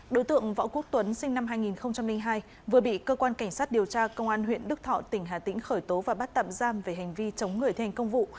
đối tượng võ quốc tuấn sinh năm hai nghìn hai vừa bị cơ quan cảnh sát điều tra công an huyện đức thọ tỉnh hà tĩnh khởi tố và bắt tạm giam về hành vi chống người thi hành công vụ